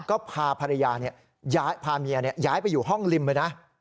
ก็พาภรรยาพาเมียย้ายไปอยู่ห้องริมเลยนะ